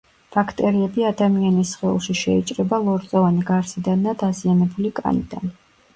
ბაქტერიები ადამიანის სხეულში შეიჭრება ლორწოვანი გარსიდან და დაზიანებული კანიდან.